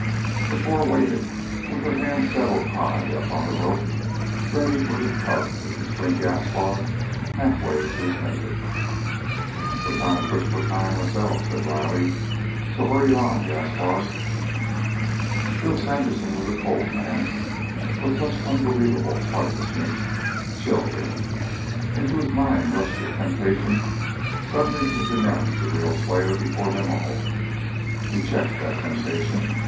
The four waited, with their hands settled high up on the rope, ready for the tug which would swing Gaspar halfway to his Maker. "We're kind of pushed for time, ourselves," said Riley. "So hurry it on, Gaspar." Bill Sandersen was a cold man, but such unbelievable heartlessness chilled him. Into his mind rushed a temptation suddenly to denounce the real slayer before them all. He checked that temptation.